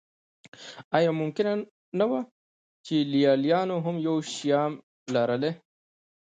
ایا ممکنه نه وه چې لېلیانو هم یو شیام لرلی.